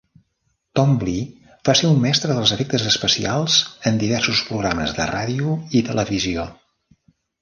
Twombly va ser un mestre dels efectes especials en diversos programes de ràdio i televisió.